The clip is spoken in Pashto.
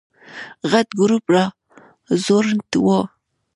غټ ګروپ راځوړند و.